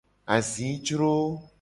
Azicro.